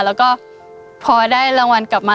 แล้วก็พอได้รางวัลกลับมา